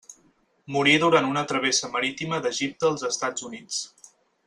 Morí durant una travessa marítima d'Egipte als Estats Units.